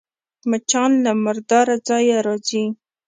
مچان له مرداره ځایه راځي